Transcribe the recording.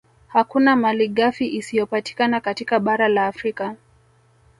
Hakuna malighafi isiyopatikana katika bara la Afrika